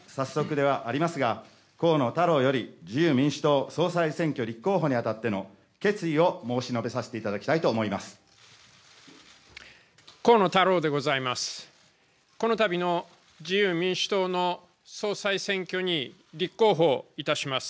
河野太郎より自由民主党総裁選挙立候補にあたっての決意を申し述べさせていただきたいと思います。